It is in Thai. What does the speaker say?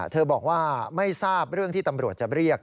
บอกว่าไม่ทราบเรื่องที่ตำรวจจะเรียก